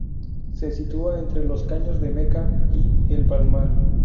Se sitúa entre Los Caños de Meca y El Palmar.